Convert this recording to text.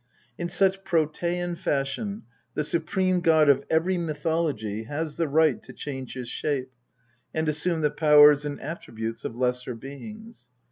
In such Protean fashion the supreme god of every mythology has the right to change his shape, and assume the powers and attributes of lesser beings.